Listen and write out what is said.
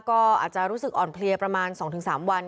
ก็อาจจะรู้สึกอ่อนเพลียประมาณ๒๓วัน